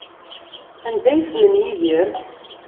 Anda ay ssnen Yidir?